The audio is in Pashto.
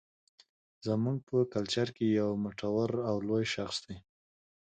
زموږ په کلچر کې يو مټور او لوى شخص دى